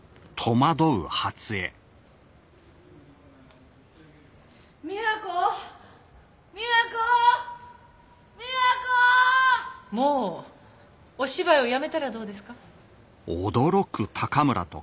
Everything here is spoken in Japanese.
もうお芝居はやめたらどうですか？